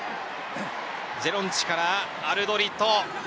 ジェロンチからアルドリット。